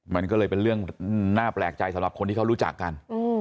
มันก็เลยเป็นเรื่องน่าแปลกใจสำหรับคนที่เขารู้จักกัน